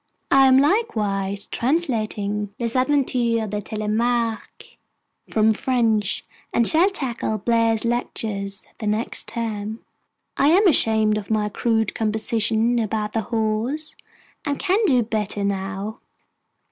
I am likewise translating Les Aventures de Telemaque from the French, and shall tackle Blair's Lectures the next term. I am ashamed of my crude composition about The Horse, and can do better now.